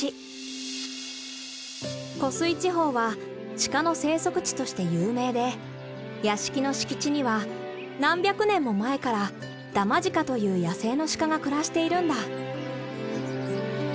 湖水地方はシカの生息地として有名で屋敷の敷地には何百年も前からダマジカという野生のシカが暮らしているんだ。